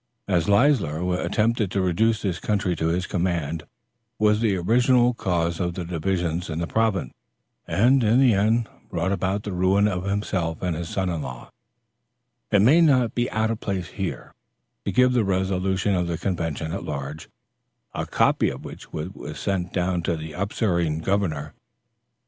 As Leisler's attempt to reduce this country to his command was the original cause of divisions in the province, and in the end brought about the ruin of himself and his son in law, it may not be out of place here to give the resolution of the convention at large, a copy of which was sent down to the usurping governor.